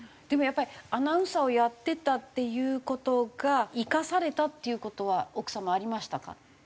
でもやっぱりアナウンサーをやってたっていう事が生かされたっていう事は奥様ありましたか？